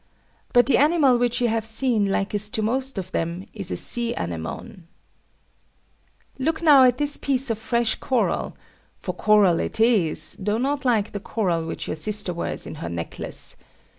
But the animal which you have seen likest to most of them is a sea anemone. Look now at this piece of fresh coral for coral it is, though not like the coral which your sister wears in her necklace.